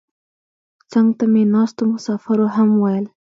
څنګ ته مې ناستو مسافرو هم ویل.